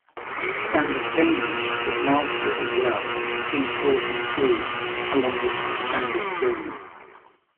Standard Danish is mastered as well, being taught in schools along with Standard German.